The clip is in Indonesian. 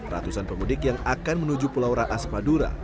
ratusan pemudik yang akan menuju pulau raas madura